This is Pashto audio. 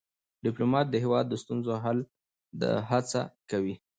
ډيپلومات د هیواد د ستونزو حل ته هڅه کوي.